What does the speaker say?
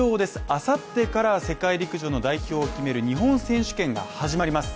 明後日から世界陸上の代表を決める日本選手権が始まります